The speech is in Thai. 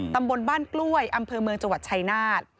ตำบลบ้านกล้วยอเมจชัยนาฏ